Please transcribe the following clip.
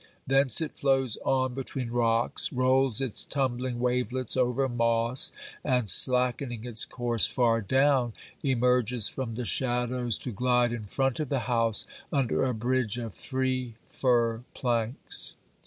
Thence it flows on between rocks, rolls its tumbling wavelets over moss, and, slackening its course far down, emerges from the shadows to glide in front of the house under a bridge of three fir planks.